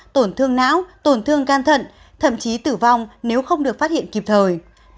tổn thương não tổn thương gan thận thậm chí tử vong nếu không được phát hiện kịp thời